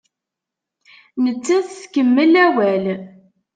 Nettat tkemmel awal.